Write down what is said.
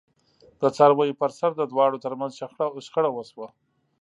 د څارویو پرسر د دواړو ترمنځ شخړه وشوه.